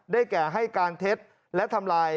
แก่ให้การเท็จและทำลาย